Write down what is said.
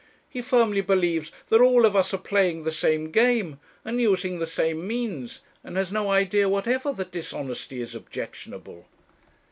He firmly believes that all of us are playing the same game, and using the same means, and has no idea whatever that dishonesty is objectionable.'